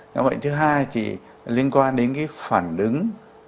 nhóm bệnh thứ hai thì liên quan đến cái phản ứng